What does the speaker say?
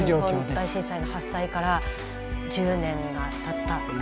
東日本大震災の発災から１０年がたったという。